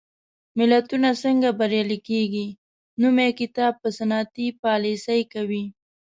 ملتونه څنګه بریالي کېږي؟ نومي کتاب په صنعتي پالېسۍ کوي.